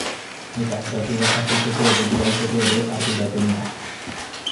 Eta datua jasotzeko edo bidaltzeko ere arduratzen da.